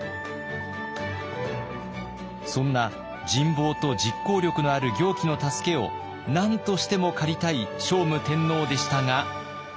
そんな人望と実行力のある行基の助けを何としても借りたい聖武天皇でしたが。